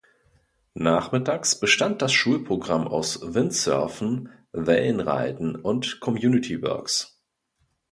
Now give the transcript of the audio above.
Nachmittags bestand das Schulprogramm aus Windsurfen, Wellenreiten und "Community Works".